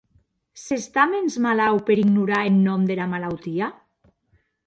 S’està mens malaut per ignorar eth nòm dera malautia?